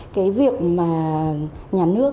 cái việc mà nhà nước